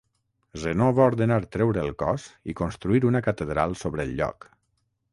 Zenó va ordenar treure el cos i construir una catedral sobre el lloc.